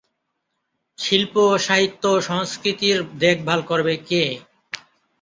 শিল্প, সাহিত্য, সংস্কৃতির দেখভাল করবে কে?